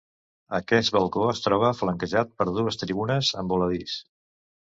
Aquest balcó es troba flanquejat per dues tribunes en voladís.